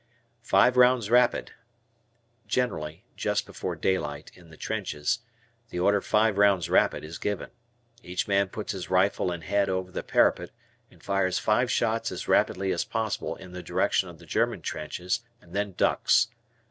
"Five rounds rapid." Generally, just before daylight in the trenches, the order "Five rounds rapid" is given. Each man puts his rifle and head over the parapet and fires five shots as rapidly as possible in the direction of the German trenches and then ducks.